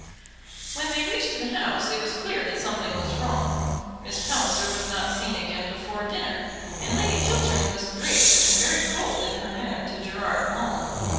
When they reached the house it was clear that something was wrong. Miss Palliser was not seen again before dinner, and Lady Chiltern was grave and very cold in her manner to Gerard Maule.